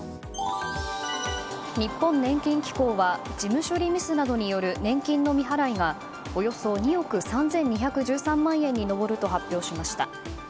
日本年金機構は事務処理ミスなどによる年金の未払いがおよそ２億３２１３万円に上ると発表しました。